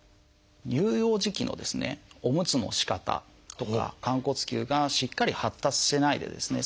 乳幼児期のおむつのしかたとか寛骨臼がしっかり発達してないでですね